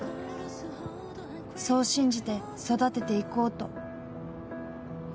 そう信じて、育てていこうと。